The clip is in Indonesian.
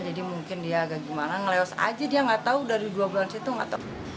jadi mungkin dia agak gimana ngelewas aja dia gak tau dari dua bulan situ gak tau